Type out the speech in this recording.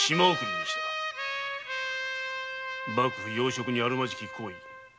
幕府要職にあるまじき行為。